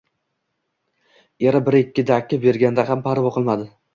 Eri bir-ikki dakki berganda ham parvo qilmadi